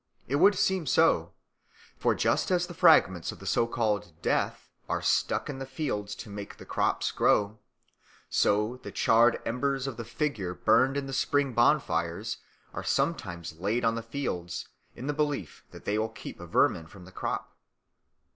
It would seem so. For just as the fragments of the so called Death are stuck in the fields to make the crops grow, so the charred embers of the figure burned in the spring bonfires are sometimes laid on the fields in the belief that they will keep vermin from the crop.